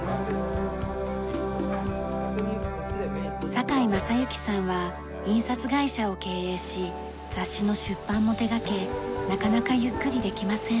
坂井雅之さんは印刷会社を経営し雑誌の出版も手掛けなかなかゆっくりできません。